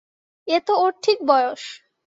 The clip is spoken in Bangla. এ তো ওর ঠিক বয়স।